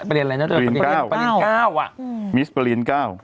ประเรียนอะไรน่ะประเรียนเก้าประเรียนเก้าอ่ะมิสประเรียนเก้า